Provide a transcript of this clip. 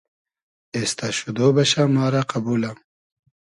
اېستۂ شودۉ بئشۂ ما رۂ قئبولۂ